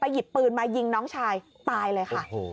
หยิบปืนมายิงน้องชายตายเลยค่ะ